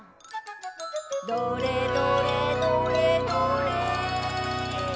「どれどれどれどれ」